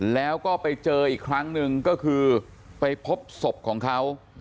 แล้วก็ไปเจออีกครั้งหนึ่งก็คือไปพบศพของเขา